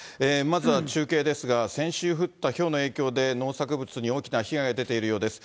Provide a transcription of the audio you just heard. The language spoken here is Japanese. まずは中継ですが、先週降ったひょうの影響で、農作物に大きな被害が出ているようです。